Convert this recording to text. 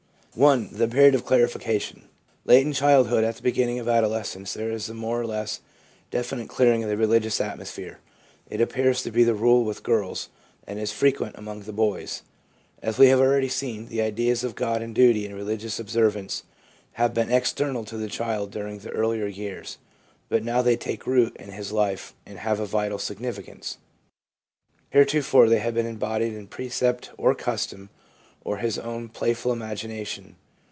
I. The Period of Clarification. Late in childhood, at the beginning of adolescence, there is a more or less definite clearing of the religious atmosphere ; it appears to be the rule with girls, and is frequent among the boys. As we have already seen, the ideas of God and duty and religious observance have been external to the child during the earlier years, but now they take root in his life and have a vital significance. Heretofore they have been embodied in precept or custom or his own playful imagination.